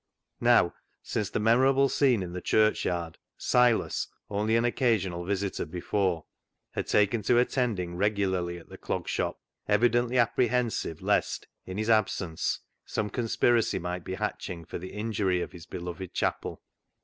Now, since the memorable scene in the chapel yard, Silas, only an occasional visitor before, had taken to attending regularly at the "THE ZEAL OF THINE HOUSE" 311 Clog Shop, evidently apprehensive lest, in his absence, some conspiracy might be hatching for the injury of his beloved chapel.